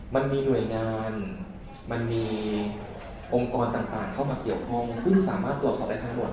มันมีหน่วยงานมันมีองค์กรต่างเข้ามาเกี่ยวข้องซึ่งสามารถตรวจสอบได้ทั้งหมด